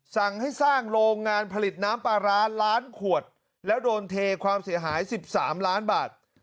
สั่งให้สร้างโรงงานผลิตน้ำปลาร้าล้านขวดแล้วโดนเทความเสียหาย๑๓ล้านบาท